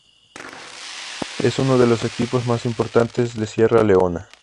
Es uno de los equipos más importantes de Sierra Leona.